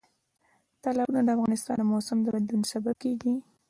تالابونه د افغانستان د موسم د بدلون سبب کېږي.